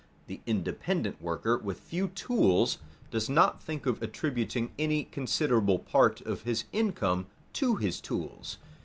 The independent worker with few tools does not think of attributing any considerable part of his income to his tools.